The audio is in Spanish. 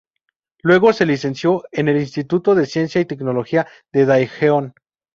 Luego, se licenció en el Instituto de Ciencia y tecnología de Daejeon.